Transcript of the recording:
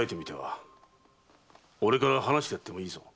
俺から話してやってもいいぞ。